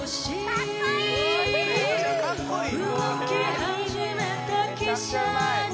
・かっこいいな・